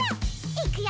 いくよ！